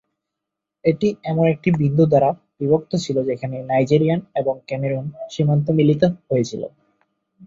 এটি এমন একটি বিন্দু দ্বারা বিভক্ত ছিল যেখানে নাইজেরিয়ান এবং ক্যামেরুন সীমান্ত মিলিত হয়েছিল।